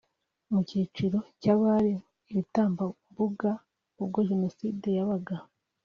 Mu cyiciro cy’abari ibitambambuga ubwo Jenoside yabaga